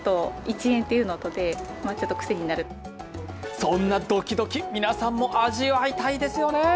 そんなドキドキ、皆さんも味わいたいですよね。